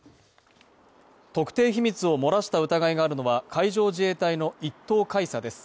特定秘密を漏らした疑いがあるのは、海上自衛隊の１等海佐です。